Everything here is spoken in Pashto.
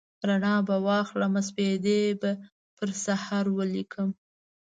رڼا به واخلمه سپیدې به پر سحر ولیکم